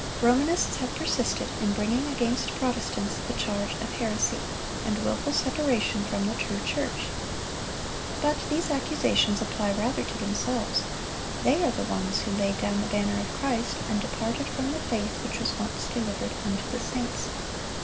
Romanists have persisted in bringing against Protestants the charge of heresy, and wilful separation from the true church. But these accusations apply rather to themselves. They are the ones who laid down the banner of Christ, and departed from "the faith which was once delivered unto the saints."